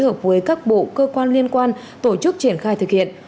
bộ giao thông vận tải chủ trì phối hợp với các bộ cơ quan liên quan tổ chức triển khai thực hiện